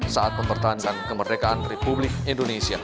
saat mempertahankan kemerdekaan republik indonesia